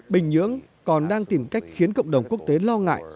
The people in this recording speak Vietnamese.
bình nhưỡng còn đang tìm cách khiến cộng đồng quốc tế lo ngại